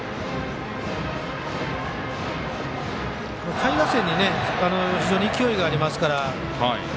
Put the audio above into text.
下位打線に非常に勢いがありますから。